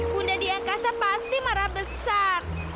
bunda di angkasa pasti marah besar